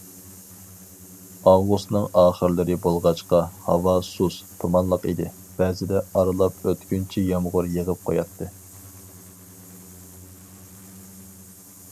ئاۋغۇستنىڭ ئاخىرلىرى بولغاچقا، ھاۋا سۇس تۇمانلىق ئىدى، بەزىدە ئارىلاپ ئۆتكۈنچى يامغۇر يېغىپ قوياتتى.